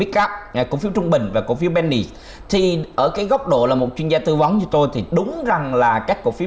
cổ phiếu penny thì ở cái góc độ là một chuyên gia tư vấn như tôi thì đúng rằng là các cổ phiếu